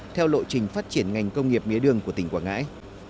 theo lộ trình phát triển ngành công nghiệp mía đường của tỉnh quảng ngãi